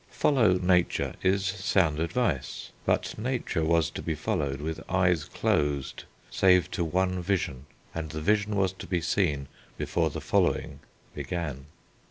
"Follow nature" is sound advice. But, nature was to be followed with eyes closed save to one vision, and the vision was to be seen before the following began.